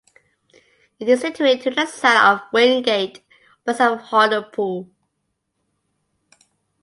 It is situated to the south of Wingate, west of Hartlepool.